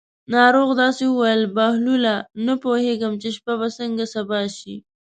ناروغ داسې وویل: بهلوله نه پوهېږم چې شپه به څنګه سبا شي.